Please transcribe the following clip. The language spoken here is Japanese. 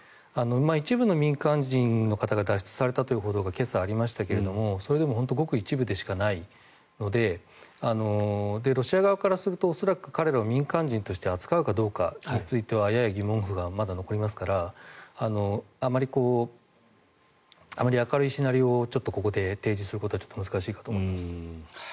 一部の民間人の方が脱出されたという報道が今朝、ありましたがそれでもごく一部でしかないのでロシア側からすると恐らく彼らを民間人として扱うかについてはやや疑問符がまだ残りますからあまり明るいシナリオを提示することは難しいと思います。